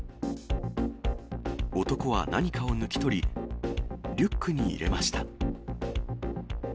男は何かを抜き取り、リュックに入れました。